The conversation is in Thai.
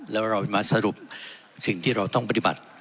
แล้วเรามาสรุปสิ่งที่เราต้องปฏิบัติ